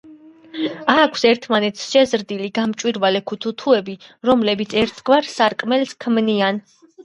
აქვს ერთმანეთს შეზრდილი, გამჭვირვალე ქუთუთოები, რომლებიც ერთგვარ „სარკმელს“ ქმნიან.